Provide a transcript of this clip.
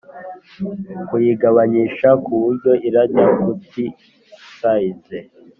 kuyigabanyisha kuburyo irajya kuti size”